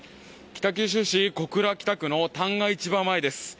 北九州市小倉北区の旦過市場前です。